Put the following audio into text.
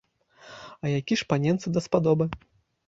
А які ж паненцы даспадобы?